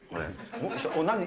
何？